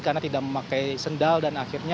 karena tidak memakai sendal dan akibatnya